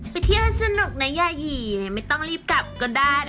ไปเที่ยวสนุกนะยาย